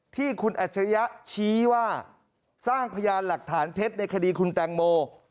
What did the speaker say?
ที่คุณอัจฉริยะชี้ว่าสร้างพยานหลักฐานเท็จในคดีคุณแตงโม